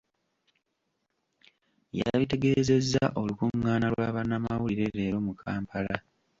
Yabitegeezezza olukungaana lwa bannamawulire leero mu Kampala.